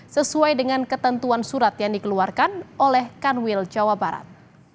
sesuai dengan ketentuan surat yang dikeluarkan oleh kanwil jawa barat